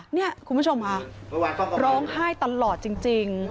นี่คุณผู้ชมค่ะร้องไห้ตลอดจริง